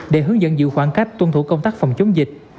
để hướng dẫn giữ khoảng cách tuân thủ công tác phòng chống dịch